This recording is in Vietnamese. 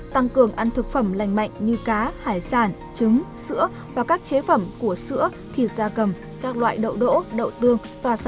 tăng cường ăn thực phẩm lành mạnh như cá hải sản trứng sữa và các chế phẩm của sữa thịt da cầm các loại đậu đỗ đậu tương